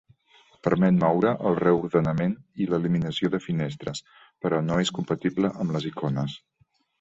Permet moure, el reordenament i l'eliminació de finestres, però no és compatible amb les icones.